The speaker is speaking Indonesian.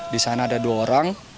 di sana ada dua orang